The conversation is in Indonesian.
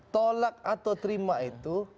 tolak atau terima itu